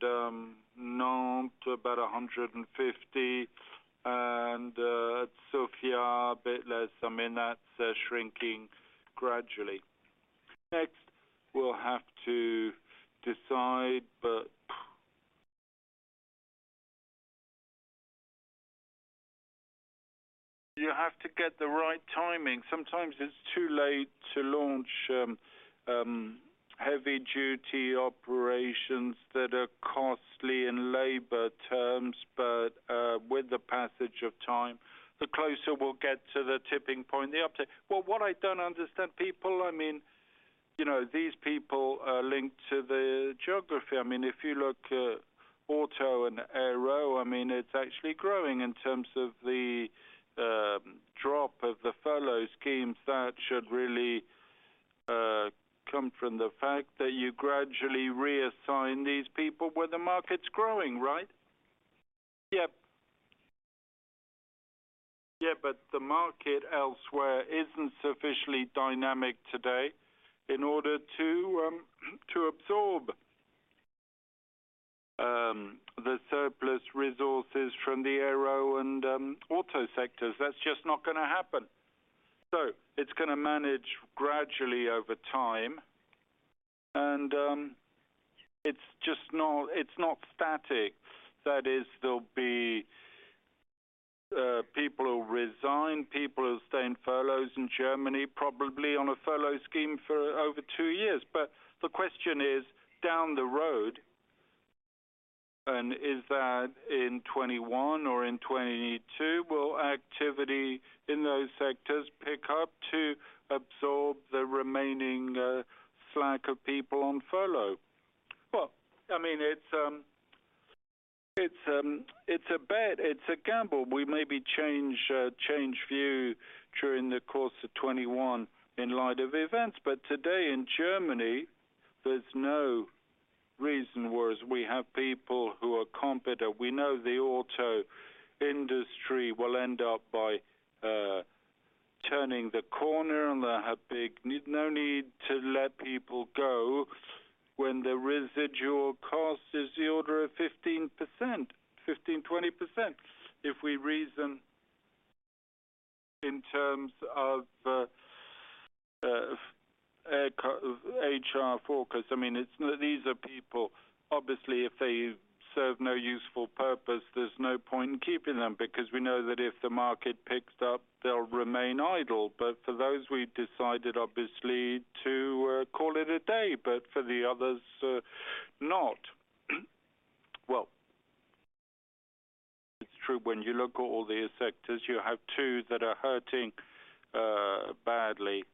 Nantes, about 150, and Sophia, a bit less. That's shrinking gradually. Next, we'll have to decide, you have to get the right timing. Sometimes it's too late to launch heavy-duty operations that are costly in labor terms. With the passage of time, the closer we'll get to the tipping point, the uptick. Well, what I don't understand, these people are linked to the geography. If you look auto and aero, it's actually growing in terms of the drop of the furlough schemes. That should really come from the fact that you gradually reassign these people where the market's growing, right? Yep. The market elsewhere isn't sufficiently dynamic today in order to absorb the surplus resources from the aero and auto sectors. That's just not going to happen. It's going to manage gradually over time, and it's not static. That is, there'll be people who resign, people who stay in furloughs in Germany, probably on a furlough scheme for over two years. The question is, down the road, and is that in 2021 or in 2022, will activity in those sectors pick up to absorb the remaining slack of people on furlough? Well, it's a bet, it's a gamble. We maybe change view during the course of 2021 in light of events. Today in Germany, there's no reason whereas we have people who are competent. We know the auto industry will end up by turning the corner, and they have no need to let people go when the residual cost is the order of 15%-20%, if we reason in terms of HR focus. These are people, obviously, if they serve no useful purpose, there's no point in keeping them, because we know that if the market picks up, they'll remain idle. For those, we've decided, obviously, to call it a day, but for the others, not. Well, it's true when you look at all these sectors, you have two that are hurting badly.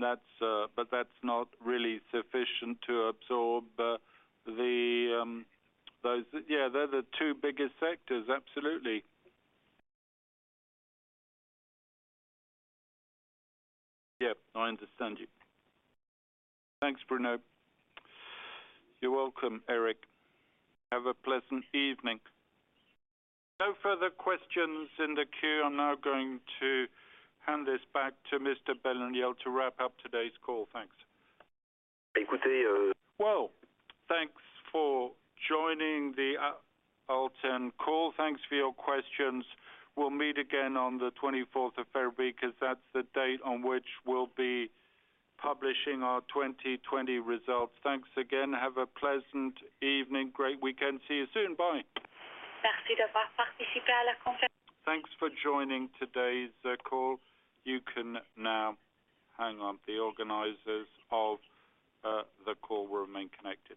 That's not really sufficient to absorb those. Yeah, they're the two biggest sectors, absolutely. Yep, I understand you. Thanks, Bruno. You're welcome, Derek. Have a pleasant evening. No further questions in the queue. I'm now going to hand this back to Mr. Benoliel to wrap up today's call. Thanks. Well, thanks for joining the ALTEN call. Thanks for your questions. We'll meet again on the 24th of February, because that's the date on which we'll be publishing our 2020 results. Thanks again. Have a pleasant evening. Great weekend. See you soon. Bye. Thanks for joining today's call. You can now hang up. The organizers of the call will remain connected